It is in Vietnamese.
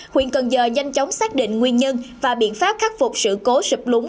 huyện cần giờ nhanh chóng xác định nguyên nhân và biện pháp khắc phục sự cố sụp lúng